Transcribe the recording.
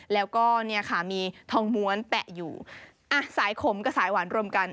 แล้วก็เนี่ยค่ะมีทองม้วนแปะอยู่อ่ะสายขมกับสายหวานรวมกัน